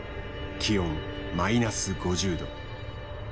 気温マイナス５０度。